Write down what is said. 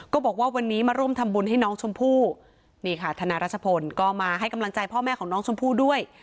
บอกว่าวันนี้มาร่วมทำบุญให้น้องชมพู่นี่ค่ะธนารัชพลก็มาให้กำลังใจพ่อแม่ของน้องชมพู่ด้วย